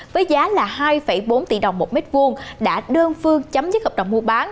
với giá là hai bốn tỷ đồng một mét vuông đã đơn phương chấm dứt hợp đồng mua bán